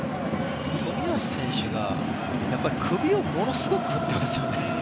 冨安選手が首をものすごく振ってますよね。